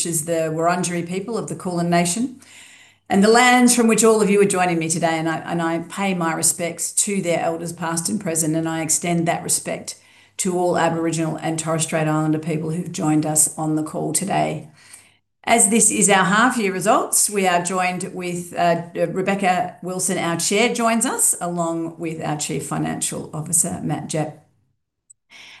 which is the Wurundjeri people of the Kulin nation, and the lands from which all of you are joining me today. I pay my respects to their elders, past and present, and I extend that respect to all Aboriginal and Torres Strait Islander people who've joined us on the call today. As this is our half-year results, we are joined with Rebecca Wilson, our Chair joins us, along with our Chief Financial Officer, Matt Gepp.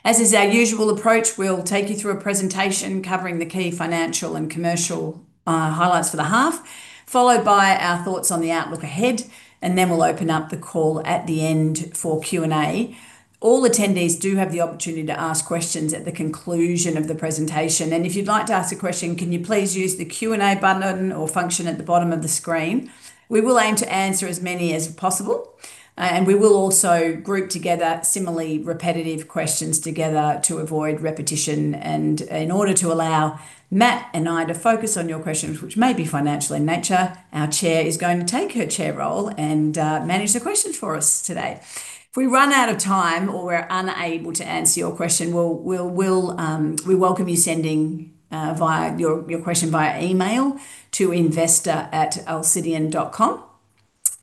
As is our usual approach, we'll take you through a presentation covering the key financial and commercial highlights for the half, followed by our thoughts on the outlook ahead, and then we'll open up the call at the end for Q&A. All attendees do have the opportunity to ask questions at the conclusion of the presentation, and if you'd like to ask a question, can you please use the Q&A button or function at the bottom of the screen? We will aim to answer as many as possible, and we will also group together similarly repetitive questions together to avoid repetition. In order to allow Matt Gepp and I to focus on your questions, which may be financial in nature, our Chair is going to take her Chair role and manage the questions for us today. If we run out of time or we're unable to answer your question, we'll, we'll, we welcome you sending via your question via email to investor@alcidion.com,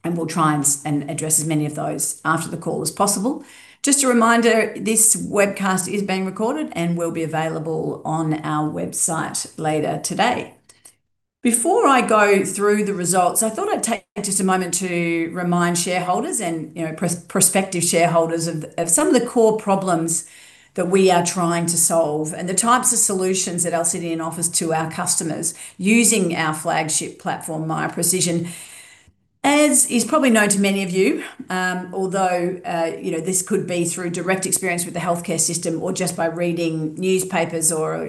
and we'll try and address as many of those after the call as possible. Just a reminder, this webcast is being recorded and will be available on our website later today. Before I go through the results, I thought I'd take just a moment to remind shareholders and, you know, prospective shareholders of some of the core problems that we are trying to solve, and the types of solutions that Alcidion offers to our customers using our flagship platform, Miya Precision. As is probably known to many of you, although, you know, this could be through direct experience with the healthcare system or just by reading newspapers or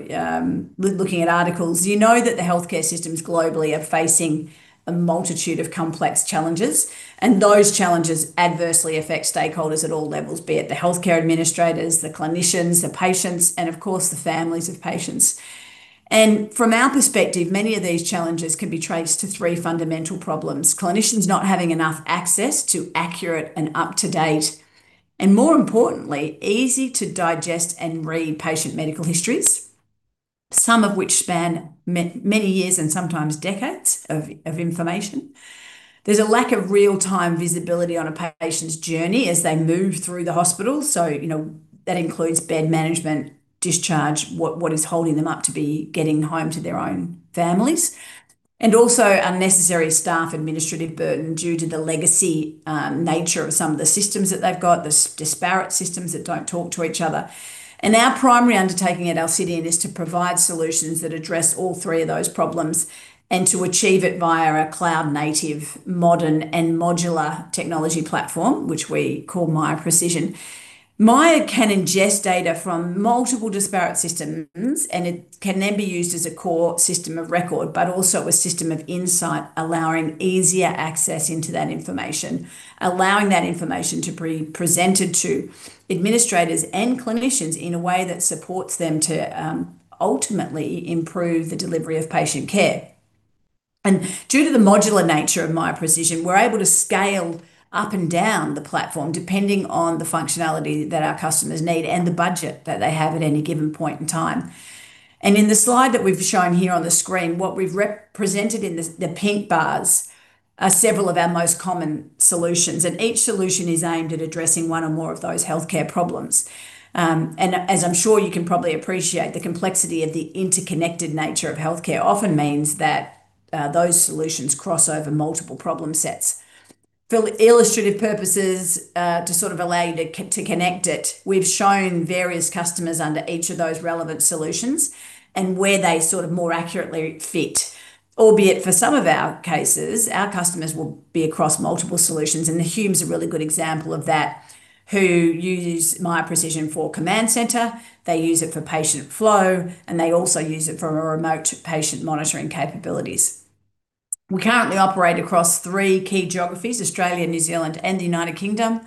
looking at articles, you know that the healthcare systems globally are facing a multitude of complex challenges, and those challenges adversely affect stakeholders at all levels, be it the healthcare administrators, the clinicians, the patients, and of course, the families of patients. From our perspective, many of these challenges can be traced to three fundamental problems: clinicians not having enough access to accurate and up-to-date, and more importantly, easy-to-digest and read patient medical histories, some of which span many years and sometimes decades of information. There's a lack of real-time visibility on a patient's journey as they move through the hospital. You know, that includes bed management, discharge, what is holding them up to be getting home to their own families, and also unnecessary staff administrative burden due to the legacy nature of some of the systems that they've got, the disparate systems that don't talk to each other. Our primary undertaking at Alcidion is to provide solutions that address all three of those problems, and to achieve it via a cloud-native, modern, and modular technology platform, which we call Miya Precision. Miya can ingest data from multiple disparate systems, and it can then be used as a core system of record, but also a system of insight, allowing easier access into that information, allowing that information to be presented to administrators and clinicians in a way that supports them to ultimately improve the delivery of patient care. Due to the modular nature of Miya Precision, we're able to scale up and down the platform, depending on the functionality that our customers need and the budget that they have at any given point in time. In the slide that we've shown here on the screen, what we've presented in the pink bars are several of our most common solutions, and each solution is aimed at addressing one or more of those healthcare problems. As I'm sure you can probably appreciate, the complexity of the interconnected nature of healthcare often means that, those solutions cross over multiple problem sets. For illustrative purposes, to sort of allow you to connect it, we've shown various customers under each of those relevant solutions and where they sort of more accurately fit. Albeit, for some of our cases, our customers will be across multiple solutions, and the Hume is a really good example of that, who use Miya Precision for Command Centre, they use it for Patient Flow, and they also use it for our Remote Patient Monitoring capabilities. We currently operate across three key geographies, Australia, New Zealand, and the United Kingdom.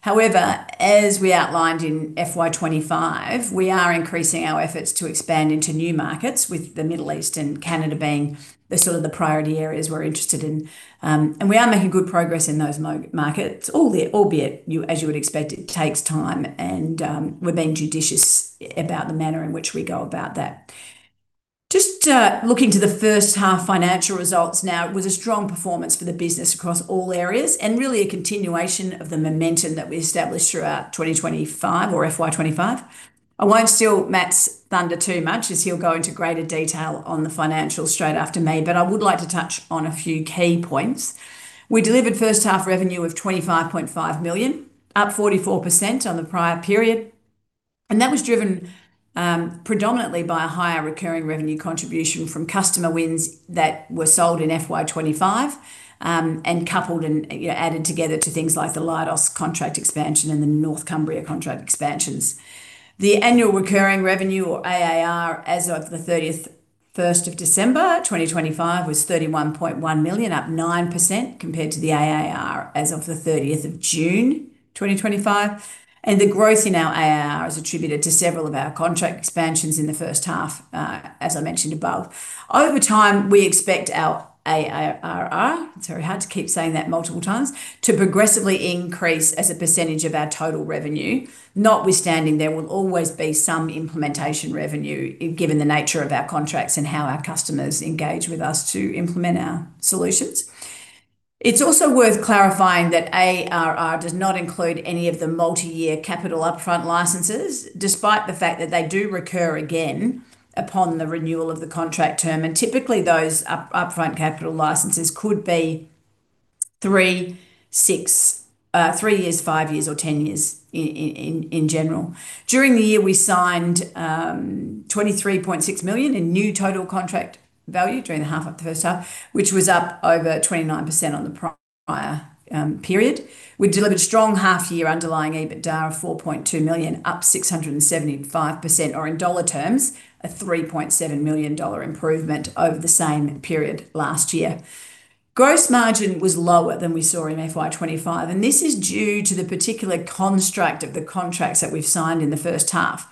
However, as we outlined in FY 2025, we are increasing our efforts to expand into new markets, with the Middle East and Canada being the sort of the priority areas we're interested in. We are making good progress in those markets, albeit as you would expect, it takes time, and we're being judicious about the manner in which we go about that. Looking to the first half financial results now, it was a strong performance for the business across all areas, and really a continuation of the momentum that we established throughout 2025 or FY 2025. I won't steal Matt's thunder too much, as he'll go into greater detail on the financials straight after me, but I would like to touch on a few key points. We delivered first half revenue of 25.5 million, up 44% on the prior period, and that was driven predominantly by a higher recurring revenue contribution from customer wins that were sold in FY25, and coupled and, you know, added together to things like the Leidos contract expansion and the Northumbria contract expansions. The Annual Recurring Revenue, or ARR, as of the 31st of December 2025, was 31.1 million, up 9% compared to the ARR as of the 30th of June 2025. The growth in our ARR is attributed to several of our contract expansions in the first half, as I mentioned above. Over time, we expect our AARR, it's very hard to keep saying that multiple times, to progressively increase as a % of our total revenue. Notwithstanding, there will always be some implementation revenue, given the nature of our contracts and how our customers engage with us to implement our solutions. It's also worth clarifying that ARR does not include any of the multi-year capital upfront licenses, despite the fact that they do recur again upon the renewal of the contract term. Typically, those upfront capital licenses could be three, six, three years, five years, or ten years in general. During the year, we signed 23.6 million in new total contract value during the half, of the first half, which was up over 29% on the prior period. We delivered strong half-year underlying EBITDA of 4.2 million, up 675%, or in dollar terms, a AUD 3.7 million improvement over the same period last year. Gross margin was lower than we saw in FY 2025. This is due to the particular construct of the contracts that we've signed in the first half.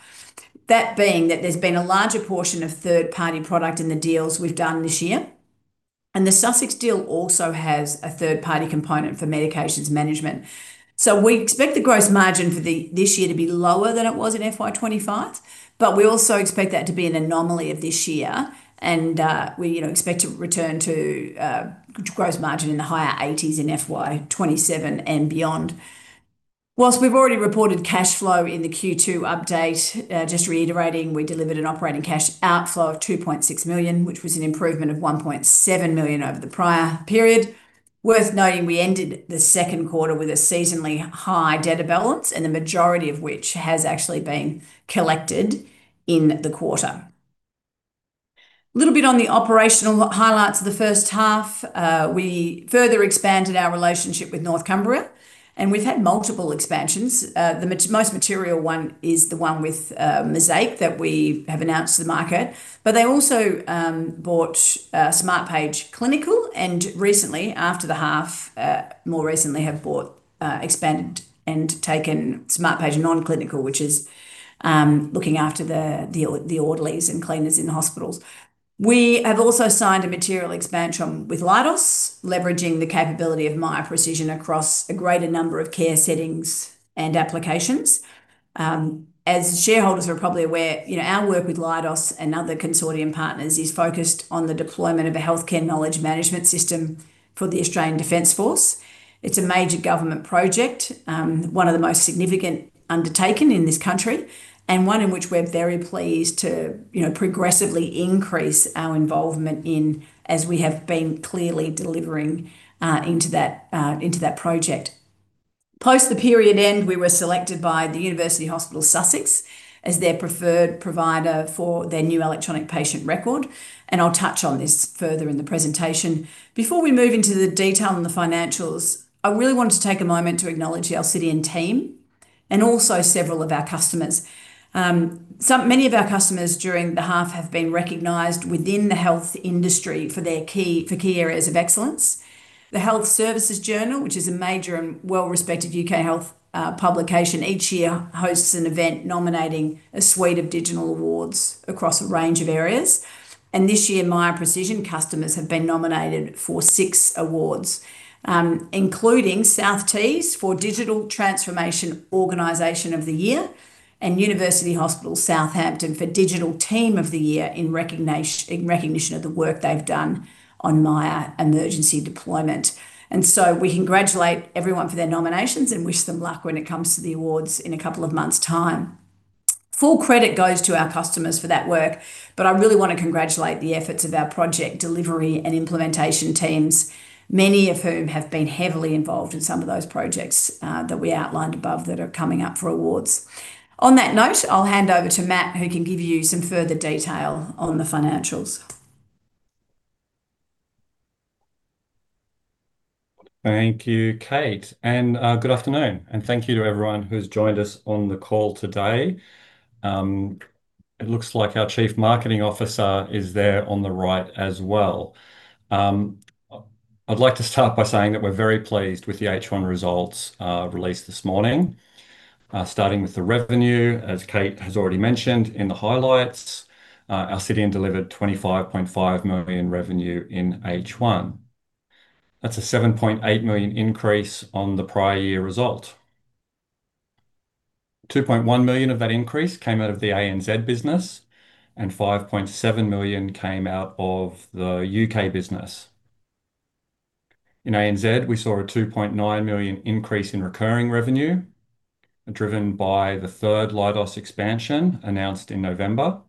That being that there's been a larger portion of third-party product in the deals we've done this year. The Sussex deal also has a third-party component for medications management. We expect the gross margin for this year to be lower than it was in FY 2025. We also expect that to be an anomaly of this year. We, you know, expect to return to gross margin in the higher 80s in FY 2027 and beyond. Whilst we've already reported cash flow in the Q2 update, just reiterating, we delivered an operating cash outflow of 2.6 million, which was an improvement of 1.7 million over the prior period. Worth noting, we ended the Q2 with a seasonally high debtor balance, and the majority of which has actually been collected in the quarter. Little bit on the operational highlights of the first half. We further expanded our relationship with North Cumbria, and we've had multiple expansions. The most material one is the one with Mosaic that we have announced to the market. They also bought Smartpage Clinical, and recently, after the half, more recently, have expanded and taken Smartpage Non-Clinical, which is looking after the orderlies and cleaners in the hospitals. We have also signed a material expansion with Leidos, leveraging the capability of Miya Precision across a greater number of care settings and applications. As shareholders are probably aware, you know, our work with Leidos and other consortium partners is focused on the deployment of a healthcare knowledge management system for the Australian Defence Force. It's a major government project, one of the most significant undertaken in this country, and one in which we're very pleased to, you know, progressively increase our involvement in, as we have been clearly delivering into that project. Post the period end, we were selected by the University Hospital, Sussex, as their preferred provider for their new electronic patient record, and I'll touch on this further in the presentation. Before we move into the detail on the financials, I really want to take a moment to acknowledge our Alcidion team and also several of our customers. Many of our customers during the half have been recognized within the health industry for their key, for key areas of excellence. The Health Service Journal, which is a major and well-respected UK health publication, each year hosts an event nominating a suite of digital awards across a range of areas. This year, Miya Precision customers have been nominated for six awards, including South Tees for Digital Transformation Organization of the Year, and University Hospital Southampton for Digital Team of the Year, in recognition of the work they've done on Miya Emergency Deployment. We congratulate everyone for their nominations and wish them luck when it comes to the awards in a couple of months' time. Full credit goes to our customers for that work, but I really want to congratulate the efforts of our project delivery and implementation teams, many of whom have been heavily involved in some of those projects that we outlined above that are coming up for awards. On that note, I'll hand over to Matt, who can give you some further detail on the financials. Thank you, Kate, good afternoon, and thank you to everyone who's joined us on the call today. It looks like our chief marketing officer is there on the right as well. I'd like to start by saying that we're very pleased with the H1 results released this morning. With the revenue, as Kate has already mentioned in the highlights, our Alcidion delivered 25.5 million revenue in H1. That's a 7.8 million increase on the prior year result. 2.1 million of that increase came out of the ANZ business, and 5.7 million came out of the UK business. In ANZ, we saw an 2.9 million increase in recurring revenue, driven by the third Leidos expansion announced in November,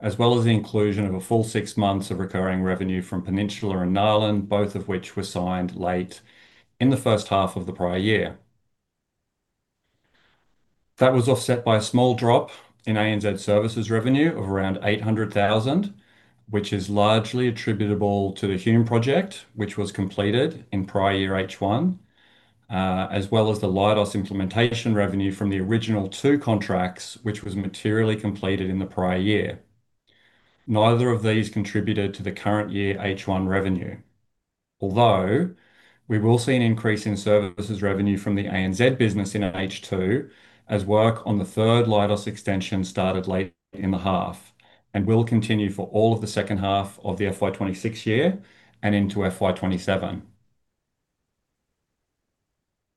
as well as the inclusion of a full six months of recurring revenue from Peninsula and NALHN, both of which were signed late in the first half of the prior year. That was offset by a small drop in ANZ services revenue of around 800,000, which is largely attributable to the Hume Project, which was completed in prior year H1, as well as the Leidos implementation revenue from the original two contracts, which was materially completed in the prior year. Neither of these contributed to the current year H1 revenue, although we will see an increase in services revenue from the ANZ business in H2, as work on the third Leidos extension started late in the half, and will continue for all of the second half of the FY 2026 year and into FY 2027.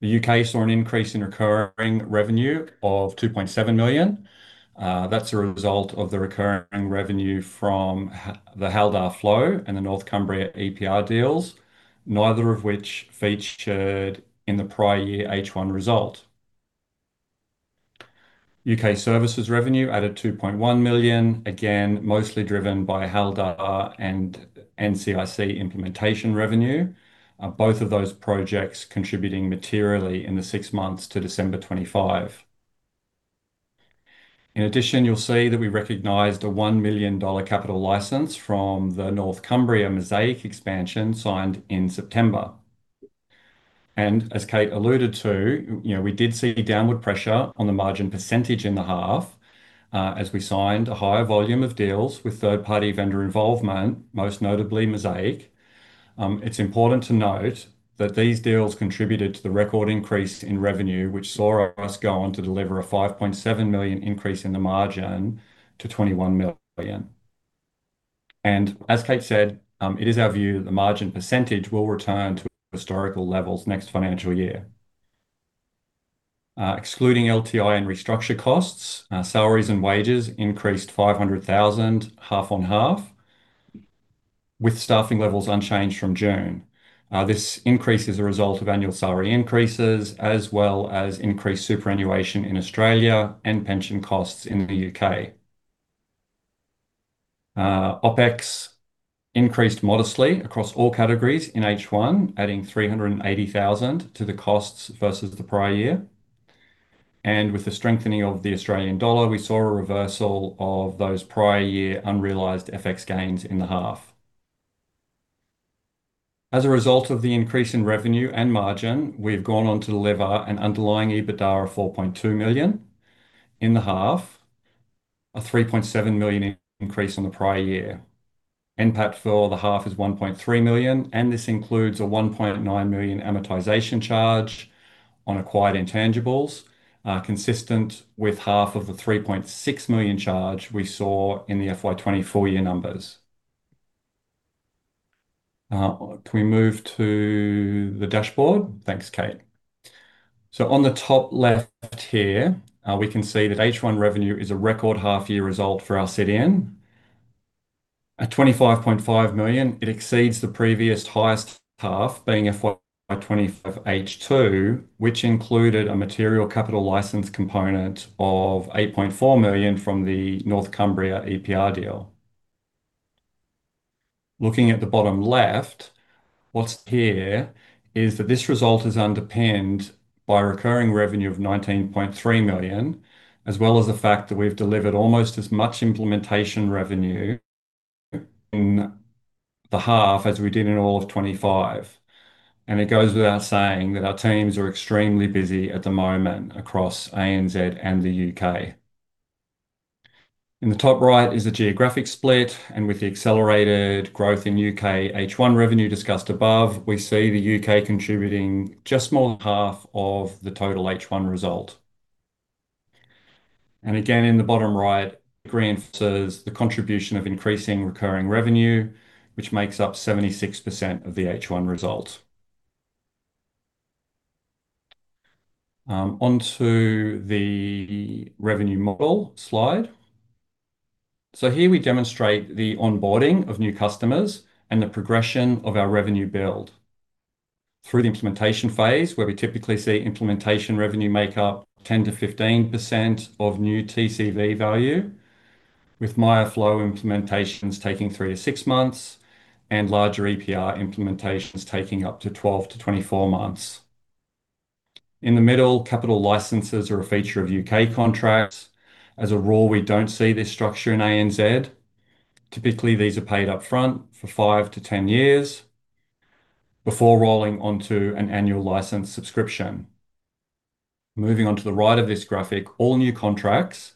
The UK saw an increase in recurring revenue of 2.7 million. That's a result of the recurring revenue from the Haldar Flow and the North Cumbria EPR deals, neither of which featured in the prior year H1 result. UK services revenue added 2.1 million, again, mostly driven by Haldar and NCIC implementation revenue. Both of those projects contributing materially in the six months to December 2025. In addition, you'll see that we recognized an 1 million dollar capital license from the North Cumbria Mosaic expansion, signed in September. As Kate alluded to, you know, we did see downward pressure on the margin % in the half, as we signed a higher volume of deals with third-party vendor involvement, most notably Mosaic. It's important to note that these deals contributed to the record increase in revenue, which saw us go on to deliver an 5.7 million increase in the margin to 21 million. As Kate said, it is our view that the margin % will return to historical levels next financial year. Excluding LTI and restructure costs, salaries and wages increased 500,000 half-on-half, with staffing levels unchanged from June. This increase is a result of annual salary increases, as well as increased superannuation in Australia and pension costs in the UK. OpEx increased modestly across all categories in H1, adding 380,000 to the costs versus the prior year. With the strengthening of the Australian dollar, we saw a reversal of those prior year unrealized FX gains in the half. As a result of the increase in revenue and margin, we've gone on to deliver an underlying EBITDA of 4.2 million in the half, a 3.7 million increase on the prior year. NPAT for the half is 1.3 million, and this includes a 1.9 million amortization charge on acquired intangibles, consistent with half of the 3.6 million charge we saw in the FY 2024 year numbers. Can we move to the dashboard? Thanks, Kate. On the top left here, we can see that H1 revenue is a record half-year result for our CDN. At 25.5 million, it exceeds the previous highest half, being FY 2025 H2, which included a material capital license component of 8.4 million from the North Cumbria EPR deal. Looking at the bottom left, what's here is that this result is underpinned by recurring revenue of 19.3 million, as well as the fact that we've delivered almost as much implementation revenue in the half as we did in all of 2025. It goes without saying that our teams are extremely busy at the moment across ANZ and the U.K. In the top right is a geographic split, with the accelerated growth in U.K. H1 revenue discussed above, we see the U.K. contributing just more than half of the total H1 result. Again, in the bottom right, reinforces the contribution of increasing recurring revenue, which makes up 76% of the H1 result. onto the revenue model slide. Here we demonstrate the onboarding of new customers and the progression of our revenue build. Through the implementation phase, where we typically see implementation revenue make up 10%-15% of new TCV value, with Miya Flow implementations taking three to six months and larger EPR implementations taking up to 12-24 months. In the middle, capital licenses are a feature of U.K. contracts. As a rule, we don't see this structure in ANZ. Typically, these are paid upfront for 5-10 years before rolling onto an annual license subscription. Moving on to the right of this graphic, all new contracts,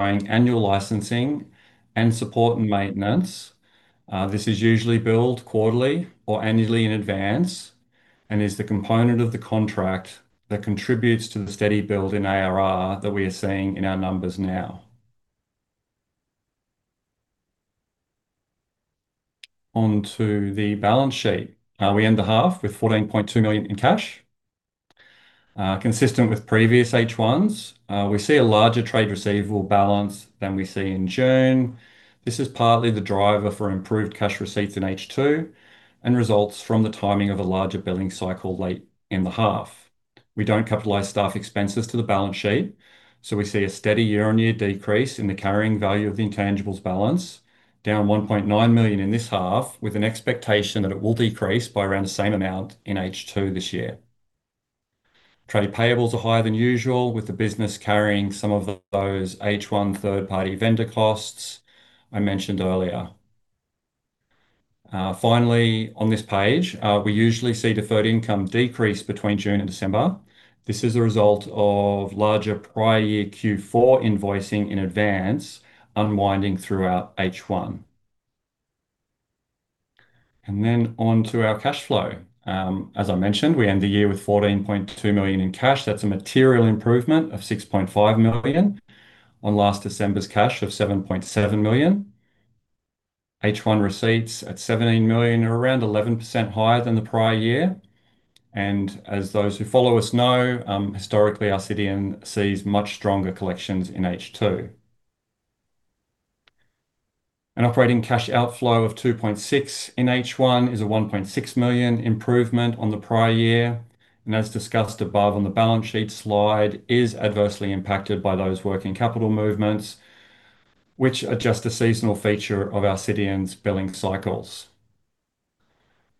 annual licensing and support and maintenance. This is usually billed quarterly or annually in advance and is the component of the contract that contributes to the steady build in ARR that we are seeing in our numbers now. On to the balance sheet. We end the half with 14.2 million in cash. Consistent with previous H1s, we see a larger trade receivable balance than we see in June. This is partly the driver for improved cash receipts in H2 and results from the timing of a larger billing cycle late in the half. We don't capitalize staff expenses to the balance sheet, so we see a steady year-on-year decrease in the carrying value of the intangibles balance, down 1.9 million in this half, with an expectation that it will decrease by around the same amount in H2 this year. Trade payables are higher than usual, with the business carrying some of those H1 third-party vendor costs I mentioned earlier. Finally, on this page, we usually see deferred income decrease between June and December. This is a result of larger prior year Q4 invoicing in advance, unwinding throughout H1. On to our cash flow. As I mentioned, we end the year with 14.2 million in cash. That's a material improvement of 6.5 million on last December's cash of 7.7 million... H1 receipts at 17 million are around 11% higher than the prior year. As those who follow us know, historically, Alcidion sees much stronger collections in H2. An operating cash outflow of 2.6 in H1 is a 1.6 million improvement on the prior year, and as discussed above on the balance sheet slide, is adversely impacted by those working capital movements, which are just a seasonal feature of Alcidion's billing cycles.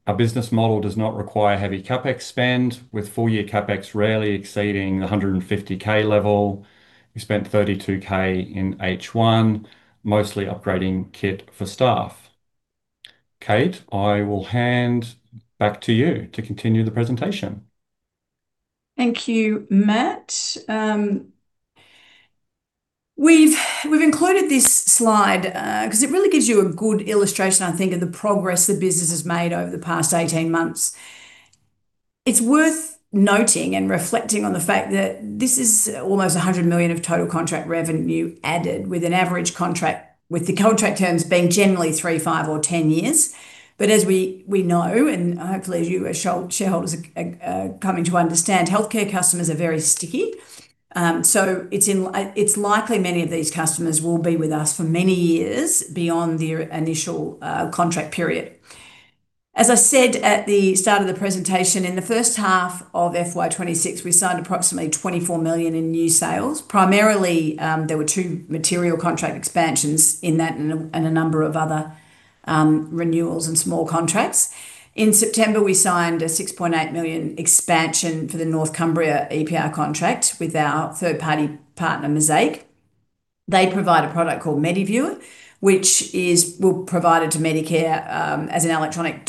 Our business model does not require heavy CapEx spend, with full-year CapEx rarely exceeding the 150K level. We spent 32K in H1, mostly upgrading kit for staff. Kate, I will hand back to you to continue the presentation. Thank you, Matt. We've included this slide because it really gives you a good illustration, I think, of the progress the business has made over the past 18 months. It's worth noting and reflecting on the fact that this is almost 100 million of total contract revenue added, with the contract terms being generally three, five, or 10 years. As we know, and hopefully, you as shareholders are coming to understand, healthcare customers are very sticky. It's likely many of these customers will be with us for many years beyond their initial contract period. As I said at the start of the presentation, in the first half of FY 2026, we signed approximately 24 million in new sales. Primarily, there were 2 material contract expansions in that and a number of other renewals and small contracts. In September, we signed a $6.8 million expansion for the North Cumbria EPR contract with our third-party partner, Mosaic. They provide a product called MediViewer, which will provide it to North Cumbria as an electronic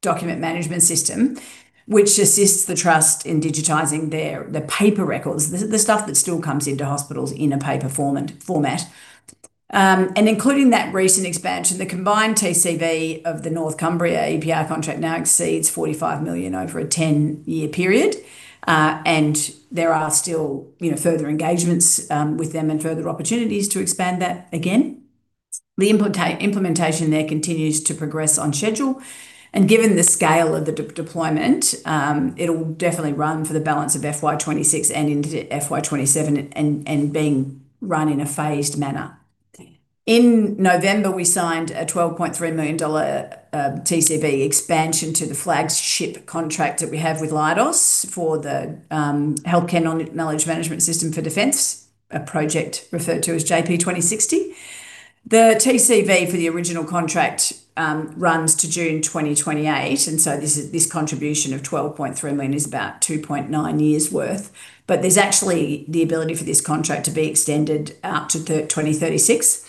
document management system, which assists the trust in digitizing their paper records, the stuff that still comes into hospitals in a paper format. Including that recent expansion, the combined TCV of the North Cumbria EPR contract now exceeds $45 million over a 10-year period. There are still, you know, further engagements with them and further opportunities to expand that again. The implementation there continues to progress on schedule. Given the scale of the deployment, it'll definitely run for the balance of FY 2026 and into FY 2027, and being run in a phased manner. In November, we signed a AUD 12.3 million TCV expansion to the flagship contract that we have with Leidos for the Healthcare Knowledge Management System for Defence, a project referred to as JP 2060. The TCV for the original contract runs to June 2028. This contribution of 12.3 million is about 2.9 years' worth. There's actually the ability for this contract to be extended out to 2036.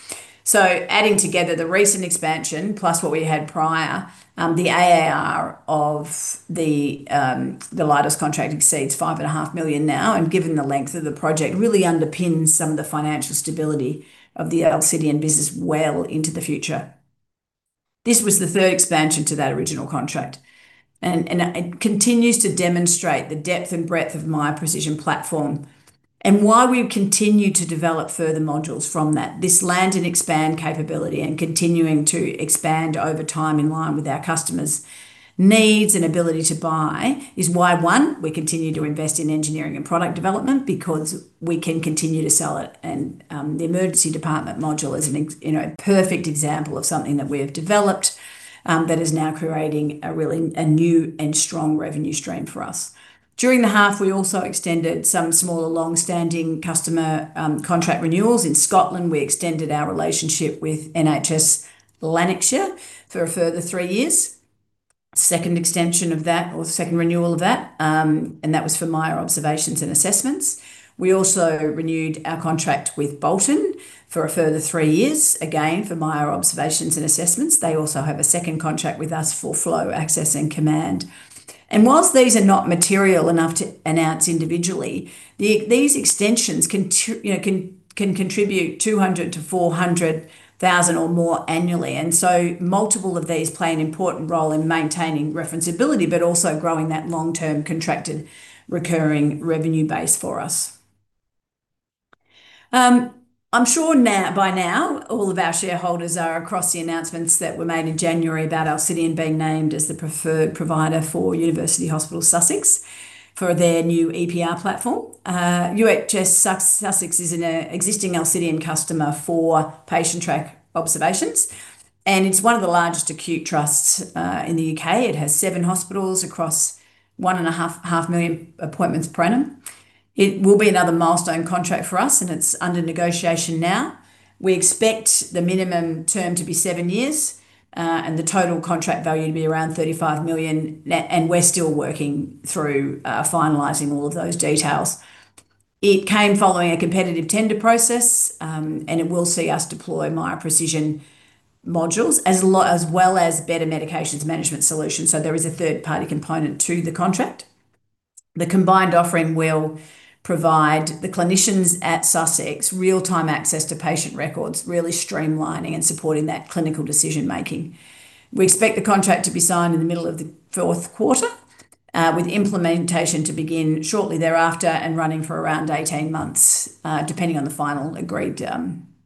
Adding together the recent expansion, plus what we had prior, the ARR of the Leidos contract exceeds 5.5 million now, and given the length of the project, really underpins some of the financial stability of the Alcidion business well into the future. This was the third expansion to that original contract, and it continues to demonstrate the depth and breadth of Miya Precision platform. While we've continued to develop further modules from that, this land and expand capability and continuing to expand over time in line with our customers' needs and ability to buy is why, one, we continue to invest in engineering and product development because we can continue to sell it. The emergency department module is you know, a perfect example of something that we have developed that is now creating a really, a new and strong revenue stream for us. During the half, we also extended some smaller, long-standing customer contract renewals. In Scotland, we extended our relationship with NHS Lanarkshire for a further three years. Second extension of that or second renewal of that, and that was for Miya Observations and Assessments. We also renewed our contract with Bolton for a further three years, again, for Miya Observations and Assessments. They also have a second contract with us for Miya Flow, Miya Access, and Miya Command. Whilst these are not material enough to announce individually, these extensions you know, can contribute 200,000-400,000 or more annually. Multiple of these play an important role in maintaining reference ability, but also growing that long-term contracted recurring revenue base for us. I'm sure now, by now, all of our shareholders are across the announcements that were made in January about Alcidion being named as the preferred provider for University Hospital Sussex, for their new EPR platform. UHS Sussex is an existing Alcidion customer for Patientrack observations, and it's one of the largest acute trusts in the UK. It has seven hospitals across one and a half million appointments per annum. It will be another milestone contract for us, and it's under negotiation now. We expect the minimum term to be seven years, and the total contract value to be around 35 million, and we're still working through finalizing all of those details. It came following a competitive tender process, and it will see us deploy Miya Precision modules as well as better medications management solutions, so there is a third-party component to the contract. The combined offering will provide the clinicians at Sussex real-time access to patient records, really streamlining and supporting that clinical decision-making. We expect the contract to be signed in the middle of the Q4. With implementation to begin shortly thereafter and running for around 18 months, depending on the final agreed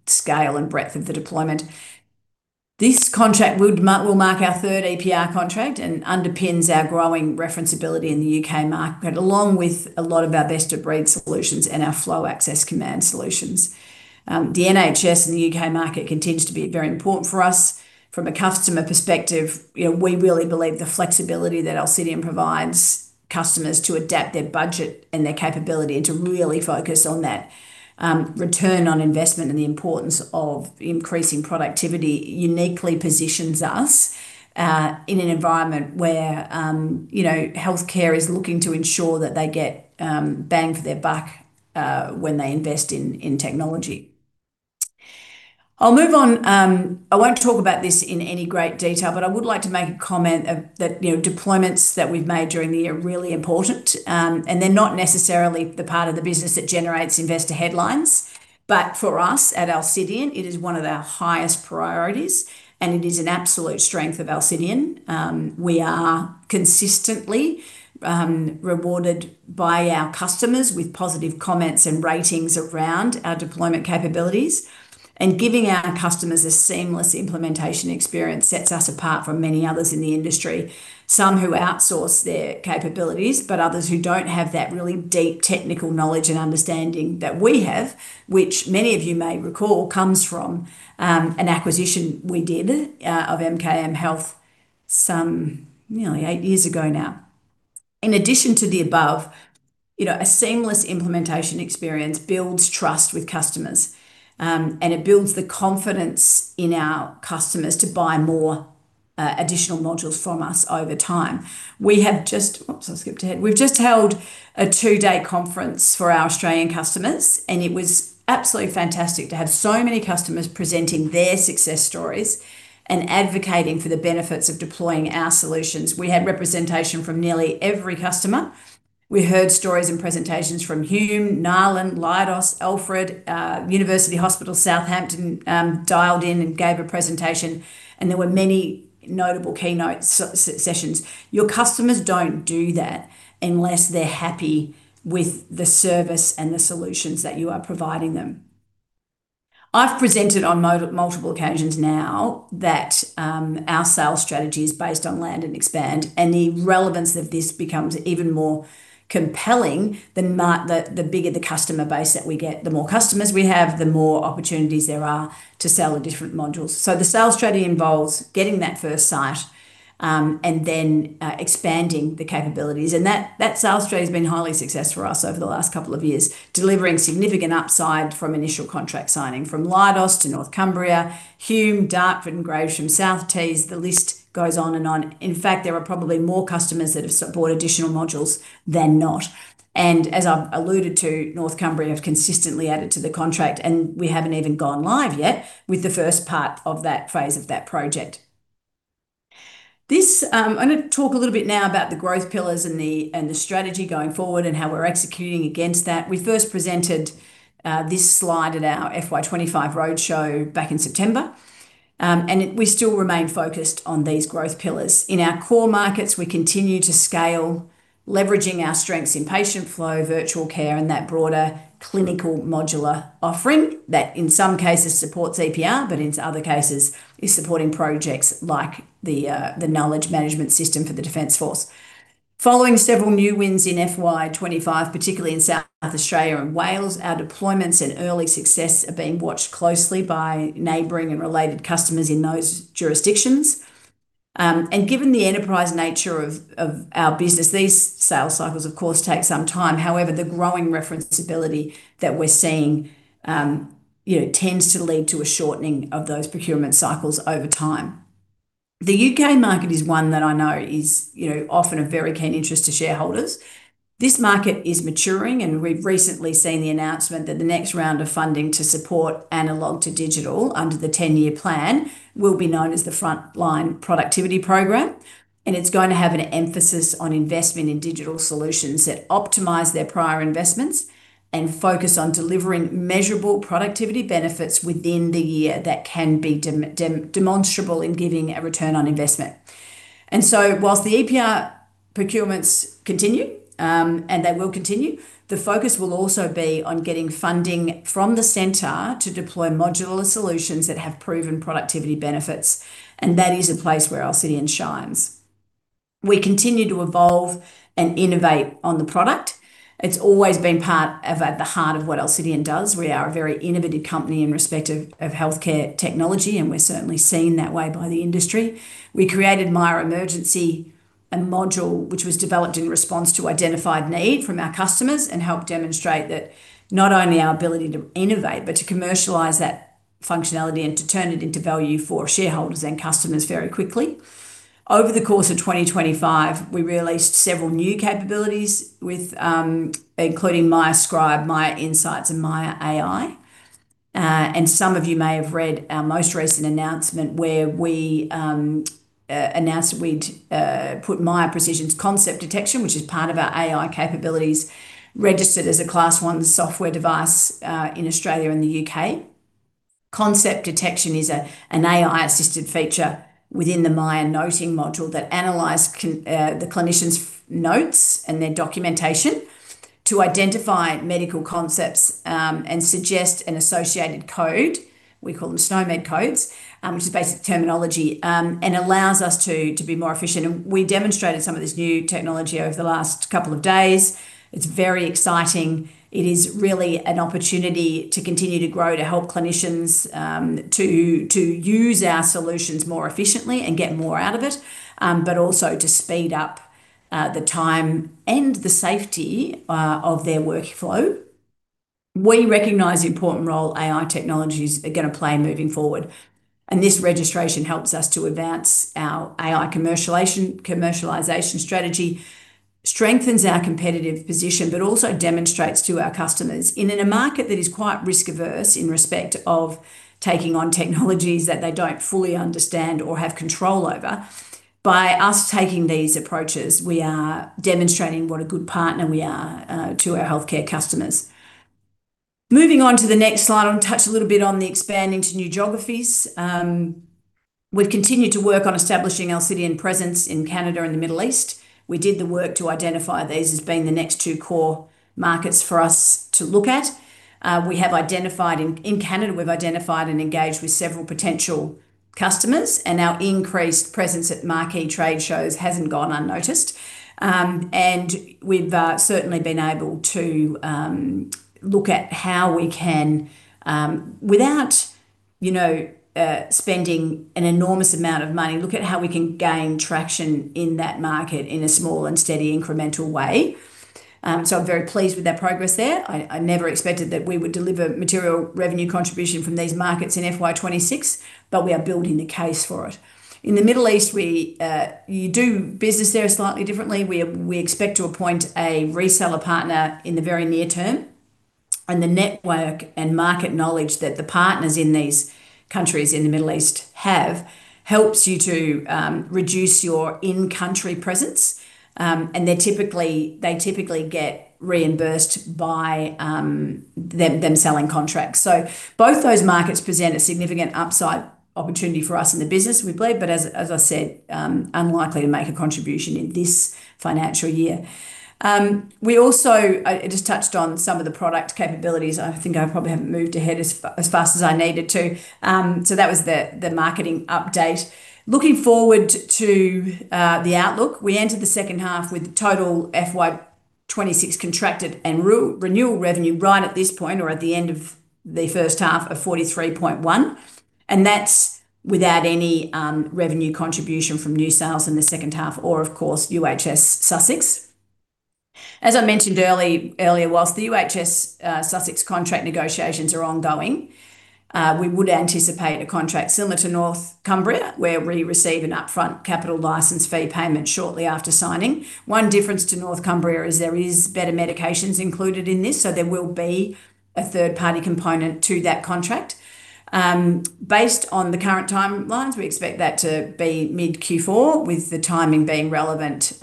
scale and breadth of the deployment. This contract will mark our third EPR contract and underpins our growing referenceability in the UK market, along with a lot of our best-of-breed solutions and our Flow Access Command solutions. The NHS and the UK market continues to be very important for us. From a customer perspective, you know, we really believe the flexibility that Alcidion provides customers to adapt their budget and their capability, and to really focus on that, return on investment and the importance of increasing productivity, uniquely positions us in an environment where, you know, healthcare is looking to ensure that they get bang for their buck when they invest in technology. I'll move on. I won't talk about this in any great detail, but I would like to make a comment of that, you know, deployments that we've made during the year are really important, and they're not necessarily the part of the business that generates investor headlines. For us at Alcidion, it is one of our highest priorities, and it is an absolute strength of Alcidion. We are consistently rewarded by our customers with positive comments and ratings around our deployment capabilities. Giving our customers a seamless implementation experience sets us apart from many others in the industry. Some who outsource their capabilities, but others who don't have that really deep technical knowledge and understanding that we have, which many of you may recall, comes from an acquisition we did of MKM Health some, nearly eight years ago now. In addition to the above, you know, a seamless implementation experience builds trust with customers, and it builds the confidence in our customers to buy more additional modules from us over time. We've just held a two-day conference for our Australian customers, it was absolutely fantastic to have so many customers presenting their success stories and advocating for the benefits of deploying our solutions. We had representation from nearly every customer. We heard stories and presentations from Hume, NALHN, Leidos, Alfred, University Hospital Southampton, dialed in and gave a presentation, there were many notable keynote sessions. Your customers don't do that unless they're happy with the service and the solutions that you are providing them. I've presented on multiple occasions now that our sales strategy is based on land and expand, the relevance of this becomes even more compelling, the bigger the customer base that we get, the more customers we have, the more opportunities there are to sell the different modules. The sales strategy involves getting that first site, and then expanding the capabilities. That sales strategy has been highly successful for us over the last couple of years, delivering significant upside from initial contract signing. From Leidos to North Cumbria, Hume, Dartford and Gravesham, South Tees, the list goes on and on. In fact, there are probably more customers that have bought additional modules than not. As I've alluded to, North Cumbria have consistently added to the contract, and we haven't even gone live yet with the first part of that phase of that project. This. I'm going to talk a little bit now about the growth pillars and the strategy going forward, and how we're executing against that. We first presented this slide at our FY25 roadshow back in September. We still remain focused on these growth pillars. In our core markets, we continue to scale, leveraging our strengths in Patient Flow, virtual care, and that broader clinical modular offering, that in some cases supports EPR, but in other cases is supporting projects like the knowledge management system for the Defence Force. Following several new wins in FY 25, particularly in South Australia and Wales, our deployments and early success are being watched closely by neighboring and related customers in those jurisdictions. Given the enterprise nature of our business, these sales cycles, of course, take some time. However, the growing referenceability that we're seeing, you know, tends to lead to a shortening of those procurement cycles over time. The U.K. market is one that I know is, you know, often of very keen interest to shareholders. This market is maturing, and we've recently seen the announcement that the next round of funding to support analog to digital under the 10-year plan, will be known as the Frontline Productivity Program. It's going to have an emphasis on investment in digital solutions that optimize their prior investments, and focus on delivering measurable productivity benefits within the year that can be demonstrable in giving a return on investment. Whilst the EPR procurements continue, and they will continue, the focus will also be on getting funding from the center to deploy modular solutions that have proven productivity benefits, and that is a place where Alcidion shines. We continue to evolve and innovate on the product. It's always been part of, at the heart of what Alcidion does. We are a very innovative company in respect of healthcare technology, and we're certainly seen that way by the industry. We created Miya Emergency, a module which was developed in response to identified need from our customers, and helped demonstrate that not only our ability to innovate, but to commercialize that functionality and to turn it into value for shareholders and customers very quickly. Over the course of 2025, we released several new capabilities with including Miya Scribe, Miya Insight, and Miya AI. Some of you may have read our most recent announcement where we announced that we'd put Miya Precision's Concept Detection, which is part of our AI capabilities, registered as a Class I software device in Australia and the U.K. Concept detection is an AI assisted feature within the Miya Noting module that analyzes the clinician's notes and their documentation to identify medical concepts and suggest an associated code. We call them SNOMED codes, which is basic terminology and allows us to be more efficient. We demonstrated some of this new technology over the last couple of days. It's very exciting. It is really an opportunity to continue to grow, to help clinicians to use our solutions more efficiently and get more out of it, but also to speed up the time and the safety of their workflow. We recognize the important role AI technologies are gonna play moving forward. This registration helps us to advance our AI commercialization strategy, strengthens our competitive position, but also demonstrates to our customers. In a market that is quite risk-averse in respect of taking on technologies that they don't fully understand or have control over, by us taking these approaches, we are demonstrating what a good partner we are to our healthcare customers. Moving on to the next slide, I want to touch a little bit on the expanding to new geographies. We've continued to work on establishing our Alcidion presence in Canada and the Middle East. We did the work to identify these as being the next two core markets for us to look at. We have identified in Canada, we've identified and engaged with several potential customers, and our increased presence at marquee trade shows hasn't gone unnoticed. We've certainly been able to look at how we can, without, you know, spending an enormous amount of money, look at how we can gain traction in that market in a small and steady, incremental way. I'm very pleased with our progress there. I never expected that we would deliver material revenue contribution from these markets in FY26, but we are building the case for it. In the Middle East, we, you do business there slightly differently. We expect to appoint a reseller partner in the very near term, and the network and market knowledge that the partners in these countries in the Middle East have, helps you to reduce your in-country presence. They typically get reimbursed by them selling contracts. Both those markets present a significant upside opportunity for us in the business, we believe, but as I said, unlikely to make a contribution in this financial year. We also I just touched on some of the product capabilities. I think I probably haven't moved ahead as fast as I needed to. That was the marketing update. Looking forward to the outlook, we entered the second half with total FY26 contracted and renewal revenue right at this point, or at the end of the first half of 43.1, and that's without any revenue contribution from new sales in the second half, or of course, UHS Sussex. As I mentioned earlier, whilst the UHS Sussex contract negotiations are ongoing, we would anticipate a contract similar to North Cumbria, where we receive an upfront capital license fee payment shortly after signing. One difference to North Cumbria is there is better medications included in this, so there will be a third-party component to that contract. Based on the current timelines, we expect that to be mid-Q4, with the timing being relevant,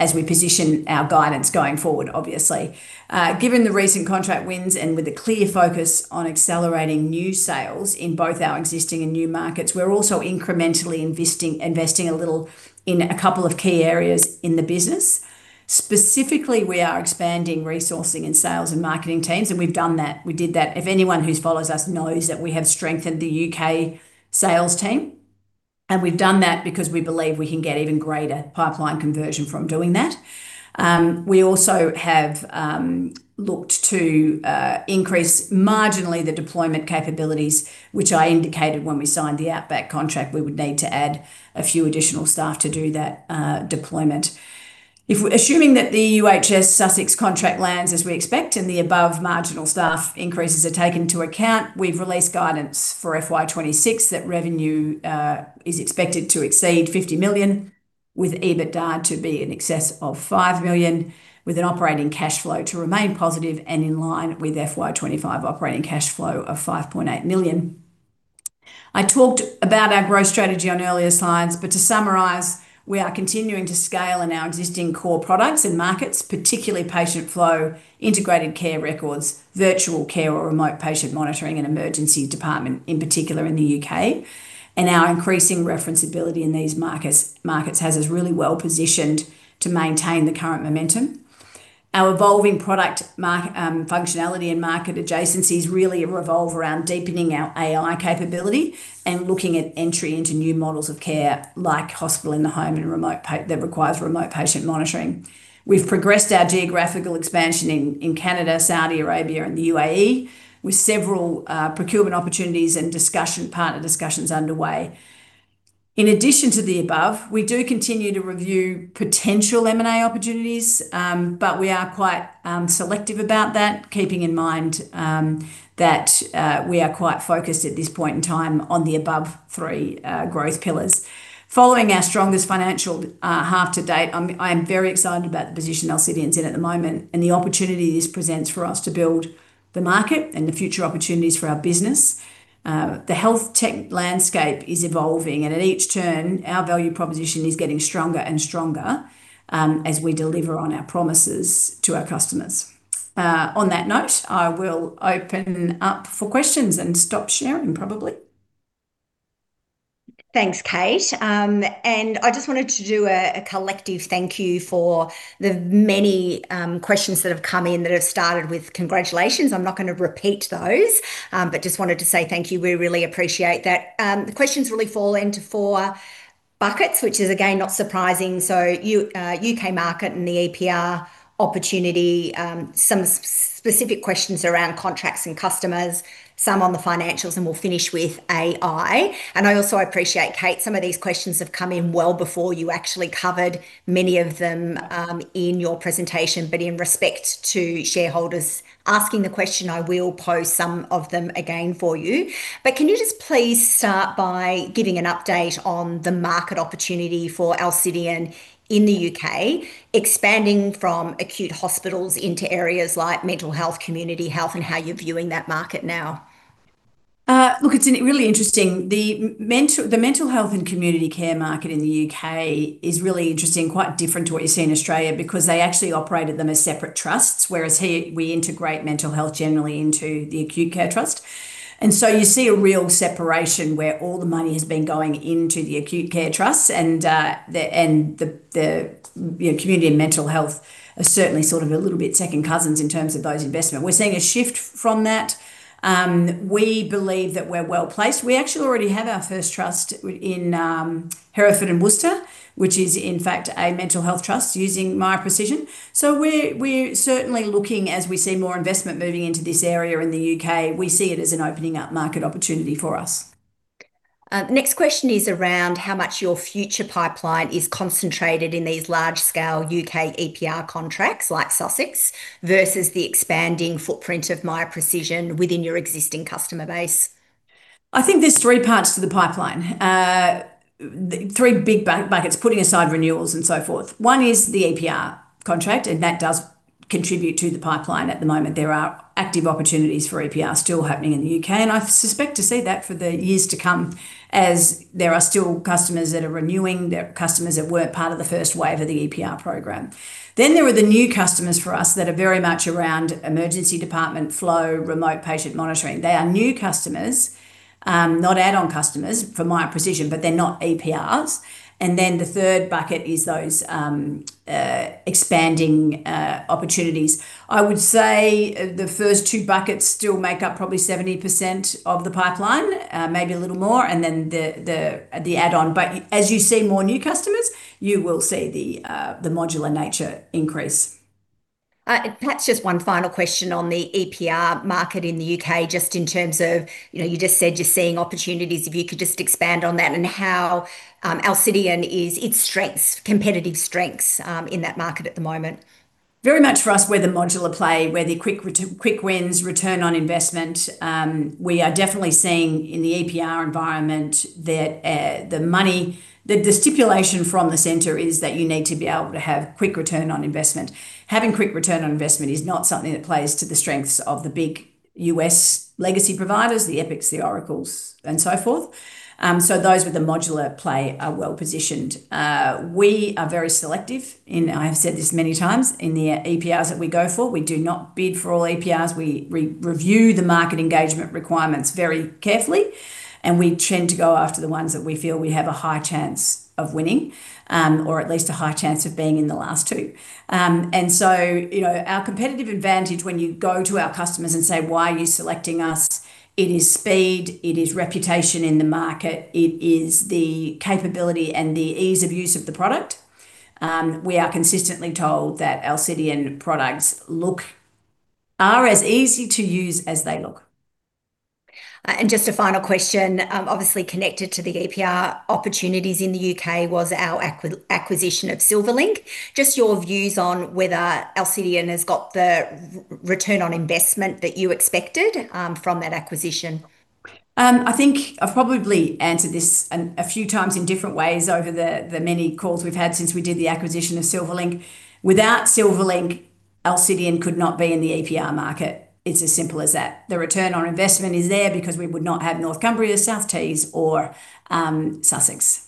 as we position our guidance going forward, obviously. Given the recent contract wins, and with a clear focus on accelerating new sales in both our existing and new markets, we're also incrementally investing a little in a couple of key areas in the business. Specifically, we are expanding resourcing and sales and marketing teams, and we've done that. We did that. If anyone who follows us knows that we have strengthened the UK sales team. We've done that because we believe we can get even greater pipeline conversion from doing that. We also have looked to increase marginally the deployment capabilities, which I indicated when we signed the Outback contract, we would need to add a few additional staff to do that deployment. Assuming that the UHS Sussex contract lands as we expect, the above marginal staff increases are taken into account, we've released guidance for FY 2026, that revenue is expected to exceed 50 million, with EBITDA to be in excess of 5 million, with an operating cash flow to remain positive and in line with FY 2025 operating cash flow of 5.8 million. I talked about our growth strategy on earlier slides. To summarize, we are continuing to scale in our existing core products and markets, particularly Patient Flow, integrated care records, virtual care or Remote Patient Monitoring, and Emergency Department, in particular in the U.K. Our increasing reference ability in these markets has us really well positioned to maintain the current momentum. Our evolving product functionality and market adjacencies really revolve around deepening our AI capability and looking at entry into new models of care, like hospital in the home that requires Remote Patient Monitoring. We've progressed our geographical expansion in Canada, Saudi Arabia, and the U.A.E., with several procurement opportunities and partner discussions underway. In addition to the above, we do continue to review potential M&A opportunities, but we are quite selective about that, keeping in mind that we are quite focused at this point in time on the above three growth pillars. Following our strongest financial half to date, I am very excited about the position Alcidion's in at the moment, and the opportunity this presents for us to build the market and the future opportunities for our business. The health tech landscape is evolving, and at each turn, our value proposition is getting stronger and stronger. As we deliver on our promises to our customers. On that note, I will open up for questions and stop sharing probably. Thanks, Kate. I just wanted to do a collective thank you for the many questions that have come in that have started with congratulations. I'm not gonna repeat those, but just wanted to say thank you. We really appreciate that. The questions really fall into four buckets, which is, again, not surprising. UK market and the EPR opportunity, specific questions around contracts and customers, some on the financials, and we'll finish with AI. I also appreciate, Kate, some of these questions have come in well before you actually covered many of them in your presentation, but in respect to shareholders asking the question, I will pose some of them again for you. Can you just please start by giving an update on the market opportunity for Alcidion in the UK, expanding from acute hospitals into areas like mental health, community health, and how you're viewing that market now? Look, really interesting. The mental health and community care market in the U.K. is really interesting, quite different to what you see in Australia, because they actually operate them as separate trusts, whereas here we integrate mental health generally into the acute care trust. You see a real separation where all the money has been going into the acute care trusts, and the, you know, community and mental health are certainly sort of a little bit second cousins in terms of those investment. We're seeing a shift from that. We believe that we're well-placed. We actually already have our first trust in Hereford and Worcester, which is in fact a mental health trust using Miya Precision. We're certainly looking as we see more investment moving into this area in the UK, we see it as an opening up market opportunity for us. Next question is around how much your future pipeline is concentrated in these large-scale UK EPR contracts like Sussex, versus the expanding footprint of Miya Precision within your existing customer base. I think there's three parts to the pipeline. The three big buckets, putting aside renewals and so forth. One is the EPR contract. That does contribute to the pipeline at the moment. There are active opportunities for EPR still happening in the U.K. I suspect to see that for the years to come, as there are still customers that are renewing, they're customers that were part of the first wave of the EPR program. There are the new customers for us that are very much around emergency department flow, Remote Patient Monitoring. They are new customers, not add-on customers for Miya Precision, they're not EPRs. The third bucket is those expanding opportunities. I would say the first two buckets still make up probably 70% of the pipeline, maybe a little more, and then the add-on. As you see more new customers, you will see the modular nature increase. Perhaps just one final question on the EPR market in the UK, just in terms of, you know, you just said you're seeing opportunities. If you could just expand on that and how Alcidion is, its strengths, competitive strengths, in that market at the moment? Very much for us, we're the modular play, we're the quick wins, return on investment. We are definitely seeing in the EPR environment that the money, the stipulation from the center is that you need to be able to have quick return on investment. Having quick return on investment is not something that plays to the strengths of the big U.S. legacy providers, the Epic, the Oracle, and so forth. Those with the modular play are well positioned. We are very selective in, I've said this many times, in the EPRs that we go for. We do not bid for all EPRs. We review the market engagement requirements very carefully, we tend to go after the ones that we feel we have a high chance of winning, or at least a high chance of being in the last two. You know, our competitive advantage when you go to our customers and say: "Why are you selecting us?" It is speed, it is reputation in the market, it is the capability, and the ease of use of the product. We are consistently told that Alcidion products are as easy to use as they look. Just a final question. Obviously, connected to the EPR opportunities in the UK was our acquisition of Silverlink. Just your views on whether Alcidion has got the return on investment that you expected from that acquisition. I think I've probably answered this a few times in different ways over the many calls we've had since we did the acquisition of Silverlink. Without Silverlink, Alcidion could not be in the EPR market. It's as simple as that. The return on investment is there because we would not have Northumbria, South Tees, or Sussex.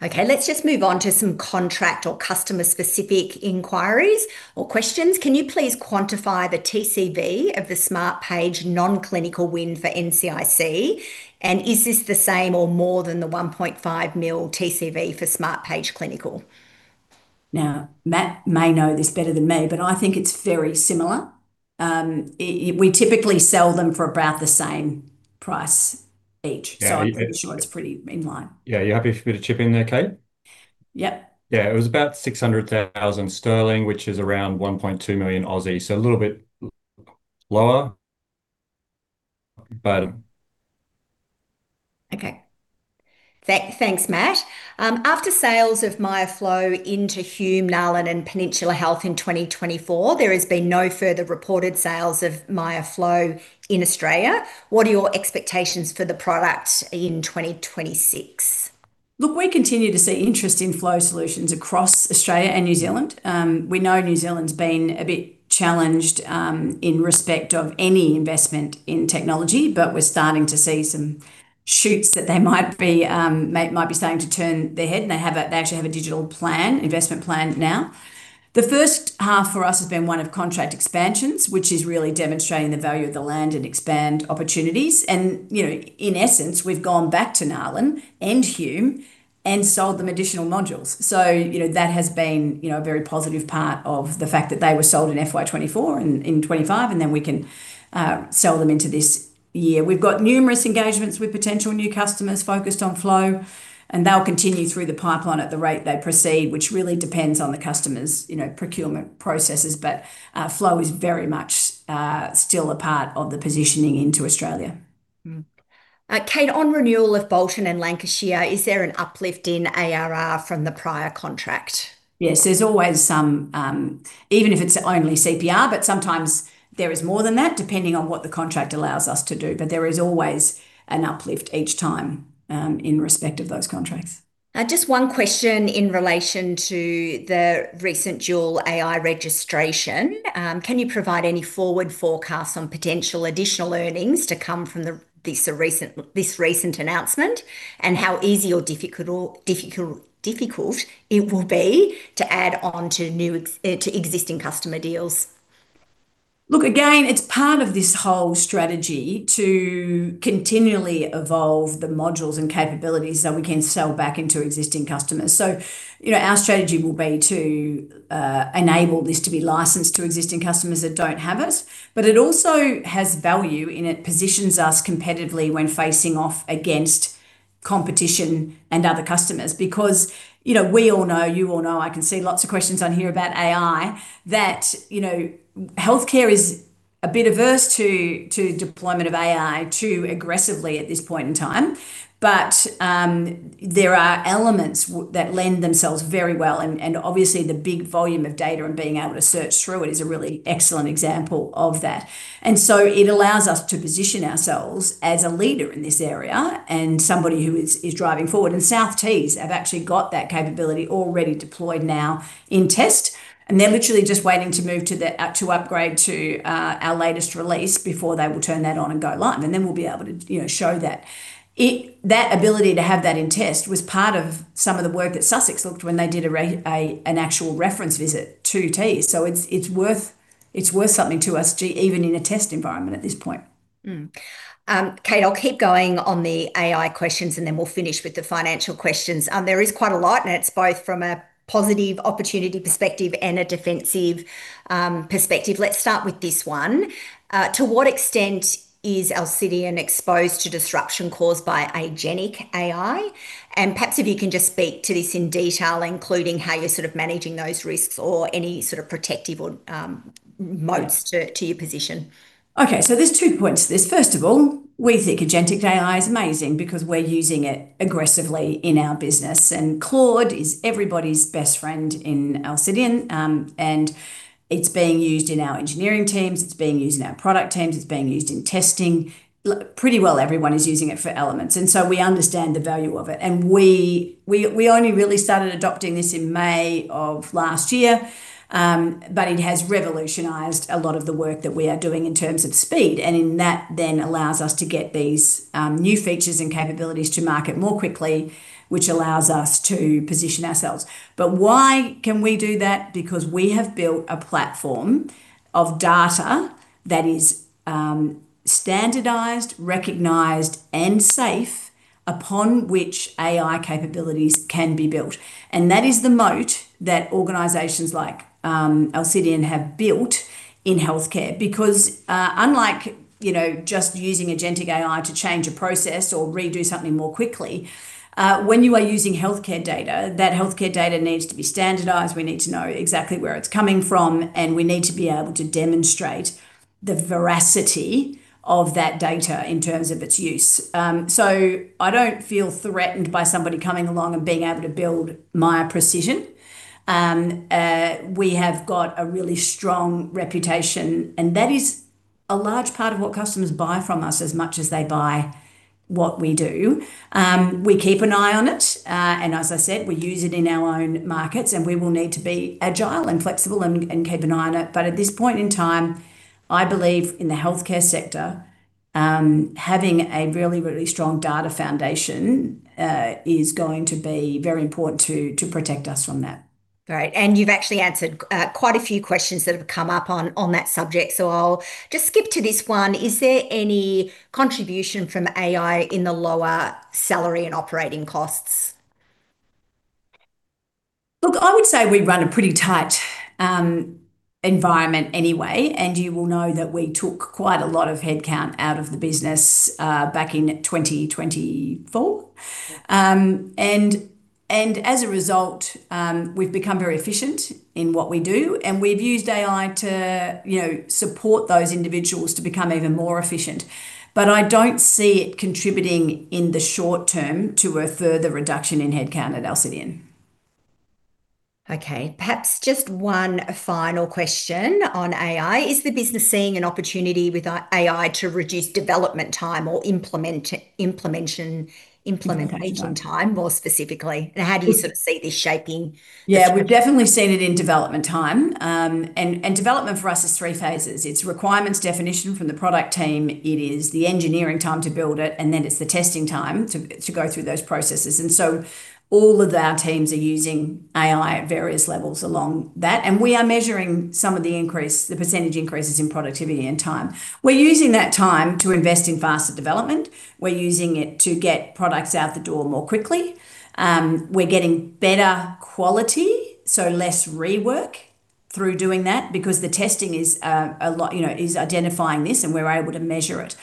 Okay, let's just move on to some contract or customer-specific inquiries or questions. Can you please quantify the TCV of the Smartpage Non-Clinical win for NCIC? Is this the same or more than the 1.5 million TCV for Smartpage Clinical? Matt may know this better than me, but I think it's very similar. We typically sell them for about the same price each. Yeah. I'm pretty sure it's pretty in line. Yeah, you happy for me to chip in there, Kate? Yep. Yeah, it was about 600,000 sterling, which is around 1.2 million, so a little bit lower, but... Okay. thanks, Matt. After sales of Miya Flow into Hume, NALHN, and Peninsula Health in 2024, there has been no further reported sales of Miya Flow in Australia. What are your expectations for the product in 2026? Look, we continue to see interest in Flow solutions across Australia and New Zealand. We know New Zealand's been a bit challenged in respect of any investment in technology, we're starting to see some shoots that they might be starting to turn their head, they actually have a digital plan, investment plan now. The first half for us has been one of contract expansions, which is really demonstrating the value of the land and expand opportunities. You know, in essence, we've gone back to NALHN and Hume and sold them additional modules. You know, that has been, you know, a very positive part of the fact that they were sold in FY 2024 and in 2025, then we can sell them into this year. We've got numerous engagements with potential new customers focused on Flow, they'll continue through the pipeline at the rate they proceed, which really depends on the customer's, you know, procurement processes. Flow is very much still a part of the positioning into Australia. Kate, on renewal of Bolton and Lancashire, is there an uplift in ARR from the prior contract? Yes, there's always some, even if it's only CPR, but sometimes there is more than that, depending on what the contract allows us to do. There is always an uplift each time, in respect of those contracts. Just one question in relation to the recent dual AI registration. Can you provide any forward forecasts on potential additional earnings to come from this recent announcement? How easy or difficult it will be to add on to new to existing customer deals? Again, it's part of this whole strategy to continually evolve the modules and capabilities that we can sell back into existing customers. You know, our strategy will be to enable this to be licensed to existing customers that don't have it. It also has value, and it positions us competitively when facing off against competition and other customers. You know, we all know, you all know, I can see lots of questions on here about AI, that, you know, healthcare is a bit averse to deployment of AI too aggressively at this point in time. There are elements that lend themselves very well, and obviously, the big volume of data and being able to search through it is a really excellent example of that. It allows us to position ourselves as a leader in this area and somebody who is driving forward. South Tees have actually got that capability already deployed now in test, and they're literally just waiting to move to the to upgrade to our latest release before they will turn that on and go live. Then we'll be able to, you know, show that. That ability to have that in test was part of some of the work that Sussex looked when they did an actual reference visit to Tees, so it's worth something to us to, even in a test environment at this point. Kate, I'll keep going on the AI questions. Then we'll finish with the financial questions. There is quite a lot. It's both from a positive opportunity perspective and a defensive perspective. Let's start with this one. To what extent is Alcidion exposed to disruption caused by agentic AI? Perhaps if you can just speak to this in detail, including how you're sort of managing those risks or any sort of protective or moats to your position. Okay, there's two points to this. First of all, we think agentic AI is amazing because we're using it aggressively in our business. Claude is everybody's best friend in Alcidion. It's being used in our engineering teams, it's being used in our product teams, it's being used in testing. Pretty well everyone is using it for elements. We understand the value of it. We only really started adopting this in May of last year. It has revolutionized a lot of the work that we are doing in terms of speed, and in that then allows us to get these new features and capabilities to market more quickly, which allows us to position ourselves. Why can we do that? We have built a platform of data that is standardized, recognized, and safe, upon which AI capabilities can be built. That is the moat that organizations like Alcidion have built in healthcare. Unlike, you know, just using agentic AI to change a process or redo something more quickly, when you are using healthcare data, that healthcare data needs to be standardized. We need to know exactly where it's coming from, and we need to be able to demonstrate the veracity of that data in terms of its use. I don't feel threatened by somebody coming along and being able to build Miya Precision. We have got a really strong reputation. That is a large part of what customers buy from us, as much as they buy what we do. We keep an eye on it, as I said, we use it in our own markets, and we will need to be agile and flexible and keep an eye on it. At this point in time, I believe in the healthcare sector, having a really, really strong data foundation is going to be very important to protect us from that. Great, you've actually answered quite a few questions that have come up on that subject, so I'll just skip to this one. Is there any contribution from AI in the lower salary and operating costs? Look, I would say we run a pretty tight environment anyway, and you will know that we took quite a lot of headcount out of the business back in 2024. As a result, we've become very efficient in what we do, and we've used AI to, you know, support those individuals to become even more efficient. I don't see it contributing in the short term to a further reduction in headcount at Alcidion. Okay, perhaps just one final question on AI. Is the business seeing an opportunity with AI to reduce development time or implementation time more specifically? How do you sort of see this shaping? Yeah, we've definitely seen it in development time. Development for us is three phases: it's requirements definition from the product team, it is the engineering time to build it, and then it's the testing time to go through those processes. All of our teams are using AI at various levels along that, and we are measuring some of the increase, the percentage increases in productivity and time. We're using that time to invest in faster development. We're using it to get products out the door more quickly. We're getting better quality, so less rework through doing that because the testing is a lot, you know, is identifying this, and we're able to measure it.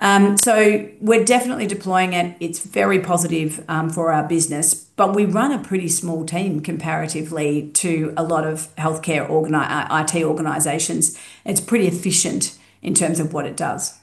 We're definitely deploying it. It's very positive for our business, but we run a pretty small team comparatively to a lot of healthcare. IT organizations. It's pretty efficient in terms of what it does.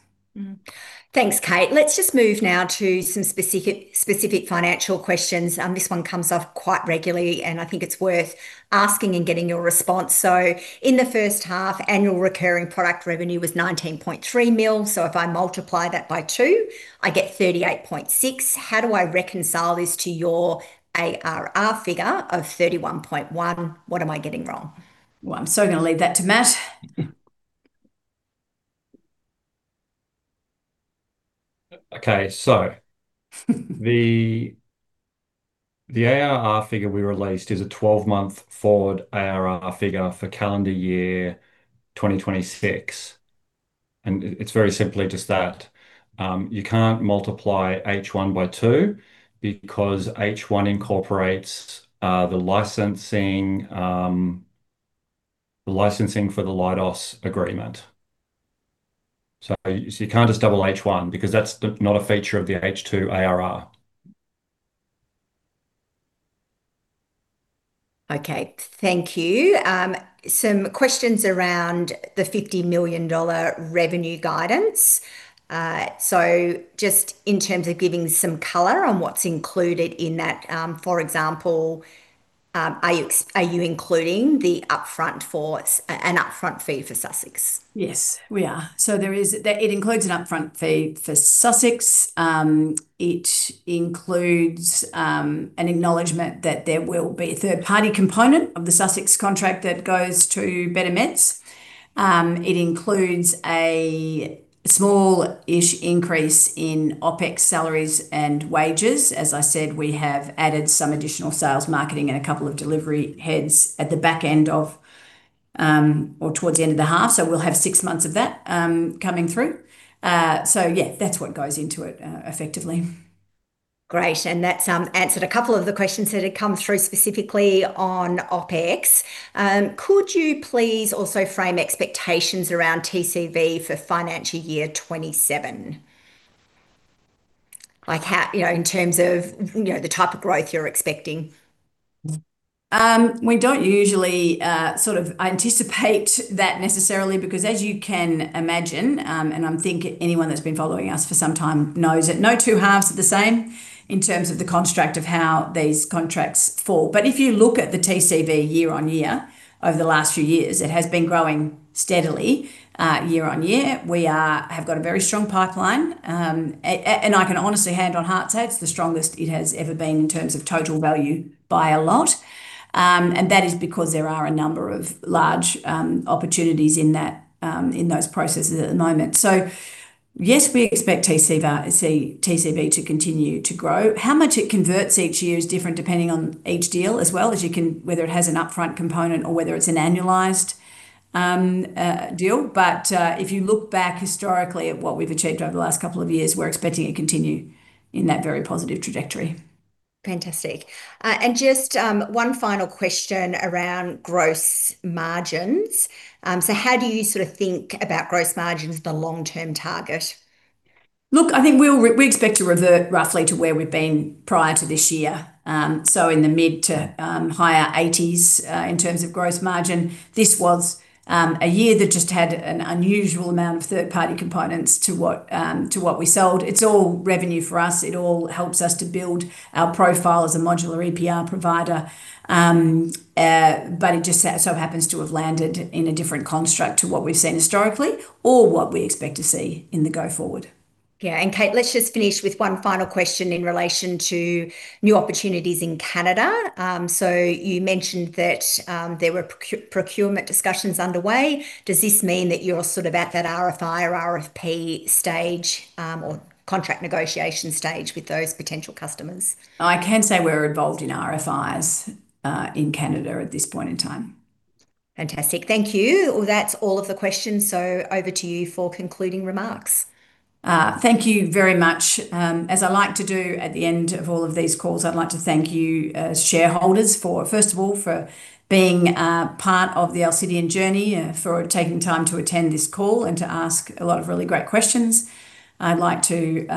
Thanks, Kate. Let's just move now to some specific financial questions. This one comes up quite regularly, and I think it's worth asking and getting your response. In the first half, annual recurring product revenue was 19.3 million, so if I multiply that by two, I get 38.6. How do I reconcile this to your ARR figure of 31.1? What am I getting wrong? Well, I'm so going to leave that to Matt. The ARR figure we released is a 12-month forward ARR figure for calendar year 2026, and it's very simply just that. You can't multiply H1 by 2 because H1 incorporates the licensing for the Leidos agreement. You can't just double H1 because that's not a feature of the H2 ARR. Okay, thank you. Some questions around the 50 million dollar revenue guidance. Just in terms of giving some color on what's included in that, for example, are you including an upfront fee for Sussex? Yes, we are. It includes an upfront fee for Sussex. It includes an acknowledgement that there will be a third-party component of the Sussex contract that goes to Better Meds. It includes a small-ish increase in OpEx salaries and wages. As I said, we have added some additional sales, marketing, and a couple of delivery heads at the back end of or towards the end of the half, so we'll have six months of that coming through. Yeah, that's what goes into it effectively. Great, that's answered a couple of the questions that have come through specifically on OpEx. Could you please also frame expectations around TCV for financial year 2027? Like, how... You know, in terms of, you know, the type of growth you're expecting. We don't usually sort of anticipate that necessarily because, as you can imagine, I'm thinking anyone that's been following us for some time knows that no two halves are the same in terms of the construct of how these contracts fall. If you look at the TCV year-on-year over the last few years, it has been growing steadily year-on-year. We have got a very strong pipeline. I can honestly, hand on heart, say it's the strongest it has ever been in terms of total value by a lot. That is because there are a number of large opportunities in that in those processes at the moment. Yes, we expect TCV to continue to grow. How much it converts each year is different depending on each deal, as well as whether it has an upfront component or whether it's an annualized deal. If you look back historically at what we've achieved over the last couple of years, we're expecting it to continue in that very positive trajectory. Fantastic. Just, one final question around gross margins. How do you sort of think about gross margin as the long-term target? Look, I think we expect to revert roughly to where we've been prior to this year, so in the mid to higher 80s in terms of gross margin. This was a year that just had an unusual amount of third-party components to what to what we sold. It's all revenue for us. It all helps us to build our profile as a modular EPR provider. It just so happens to have landed in a different construct to what we've seen historically or what we expect to see in the go forward. Yeah, Kate, let's just finish with one final question in relation to new opportunities in Canada. You mentioned that there were procurement discussions underway. Does this mean that you're sort of at that RFI or RFP stage or contract negotiation stage with those potential customers? I can say we're involved in RFIs, in Canada at this point in time. Fantastic. Thank you. Well, that's all of the questions, so over to you for concluding remarks. Thank you very much. As I like to do at the end of all of these calls, I'd like to thank you as shareholders for, first of all, for being part of the Alcidion journey and for taking time to attend this call and to ask a lot of really great questions. I'd like to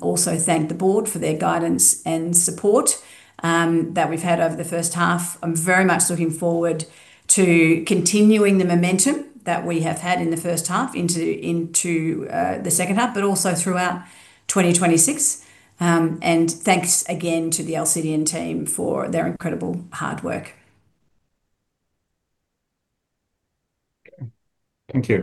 also thank the board for their guidance and support that we've had over the first half. I'm very much looking forward to continuing the momentum that we have had in the first half into the second half, but also throughout 2026. Thanks again to the Alcidion team for their incredible hard work. Thank you.